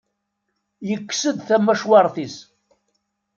Yekkes-d tamacwart-is.